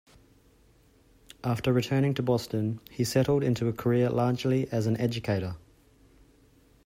After returning to Boston, he settled into a career largely as an educator.